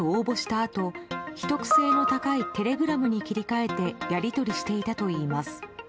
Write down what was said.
あと秘匿性の高いテレグラムに切り替えてやり取りしていたといいます。